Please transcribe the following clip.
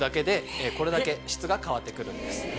でこれだけ質が変わって来るんです。